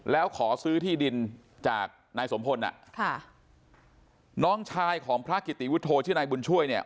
แล้วขอซื้อที่ดินจากนายสมพลอ่ะค่ะน้องชายของพระกิติวุฒโธชื่อนายบุญช่วยเนี่ย